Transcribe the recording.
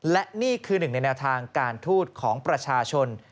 และนี่คือหนึ่งในแนวทางการทูตของประชาชน